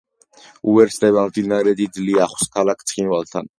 უერთდება მდინარე დიდ ლიახვს ქალაქ ცხინვალთან.